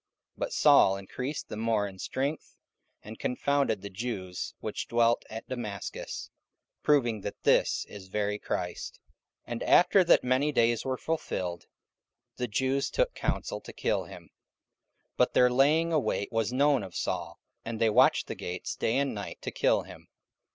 44:009:022 But Saul increased the more in strength, and confounded the Jews which dwelt at Damascus, proving that this is very Christ. 44:009:023 And after that many days were fulfilled, the Jews took counsel to kill him: 44:009:024 But their laying await was known of Saul. And they watched the gates day and night to kill him.